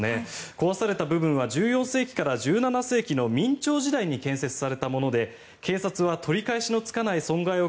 壊された部分は１４世紀から１７世紀の明朝時代に建設されたもので警察は取り返しのつかない損害を